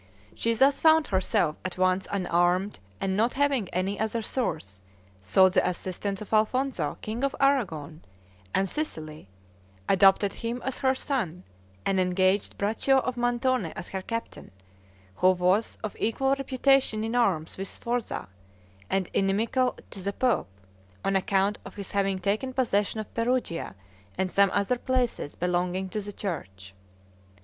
She thus found herself at once unarmed, and not having any other source, sought the assistance of Alfonzo, king of Aragon and Sicily, adopted him as her son, and engaged Braccio of Montone as her captain, who was of equal reputation in arms with Sforza, and inimical to the pope, on account of his having taken possession of Perugia and some other places belonging to the church.